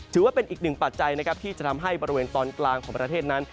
ถือว่าเป็นอีกหนึ่งปัจจัยนะครับที่จะทำให้บริเวณตอนกลางของประเทศนั้น